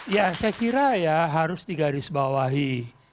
ya saya kira ya harus digarisbawahi